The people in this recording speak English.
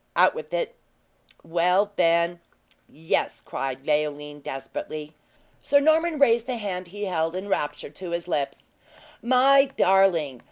Out with it." "Well, then yes!" cried Leoline desperately. Sir Norman raised the hand he held, in rapture to his lips: "My darling!